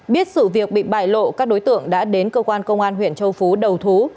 biết sự việc bị bại lộ các đối tượng đã đến cơ quan công an huyện châu phú đầu thú